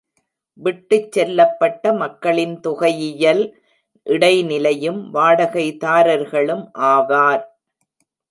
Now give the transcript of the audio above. விட்டுச்செல்லப்பட்ட மக்களின் தொகையியல் இடைநிலையும் வாடகைதாரர்களும் ஆவார்.